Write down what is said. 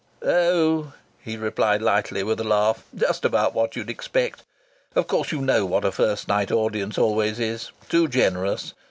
"Oh!" he replied lightly, with a laugh. "Just about what you'd expect. Of course you know what a first night audience always is. Too generous.